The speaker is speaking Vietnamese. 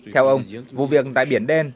theo ông vụ việc tại biển đen